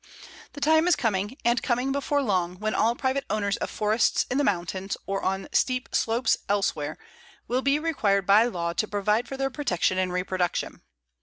The time is coming, and coming before long, when all private owners of forests in the mountains, or on steep slopes elsewhere, will be required by law to provide for their protection and reproduction.